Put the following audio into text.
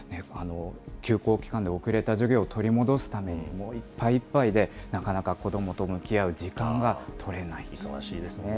休校期間で遅れた授業を取り戻すために、もういっぱいいっぱいで、なかなか子どもと向き合う時間が取れな忙しいですよね。